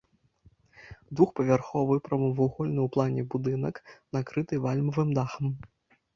Двухпавярховы, прамавугольны ў плане будынак, накрыты вальмавым дахам.